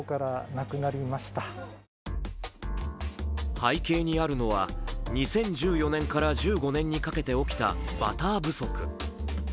背景にあるのは２０１４年から１５年にかけて起きたバター不足。